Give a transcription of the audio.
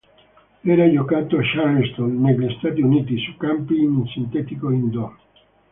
Era giocato a Charleston negli Stati Uniti su campi in sintetico indoor.